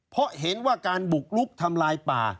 เพราะเห็นว่าการบุกลุกทำลายป่า